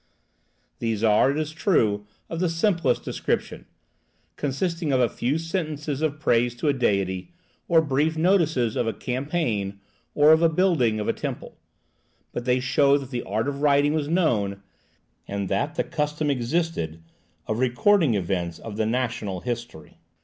These are, it is true, of the simplest description, consisting of a few sentences of praise to a deity or brief notices of a campaign or of the building of a temple; but they show that the art of writing was known, and that the custom existed of recording events of the national history.